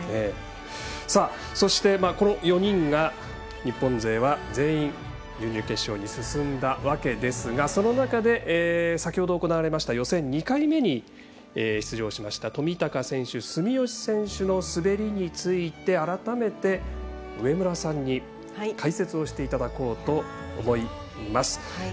そして、この４人が日本勢は全員、準々決勝に進んだわけですが、その中で先ほど行われました予選２回目に出場しました冨高選手、住吉選手の滑りについて改めて、上村さんに解説をしていただこうと思います。